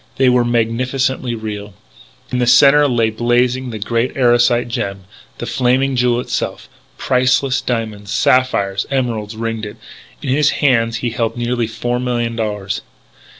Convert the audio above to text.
They were magnificently real. In the centre lay blazing the great Erosite gem, the Flaming Jewel itself. Priceless diamonds, sapphires, emeralds ringed it. In his hands he held nearly four millions of dollars.